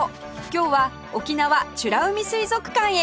今日は沖縄美ら海水族館へ！